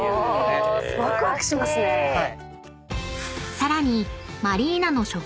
［さらに］